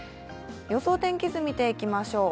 予想天気図、見ていきましょう。